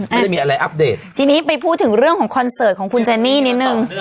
ไม่ได้มีอะไรอัปเดตทีนี้ไปพูดถึงเรื่องของคอนเสิร์ตของคุณเจนี่นิดนึง